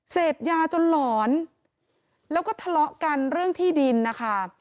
เสพยาจนหลอนแล้วก็ทะเลาะกันเรื่องที่ดินนะคะ